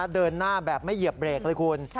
เดินหน้าแบบไม่เหยียบเบรกเลยคุณ